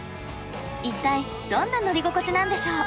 一体どんな乗り心地なんでしょう？